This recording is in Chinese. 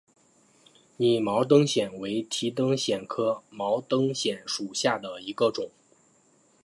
拟毛灯藓为提灯藓科毛灯藓属下的一个种。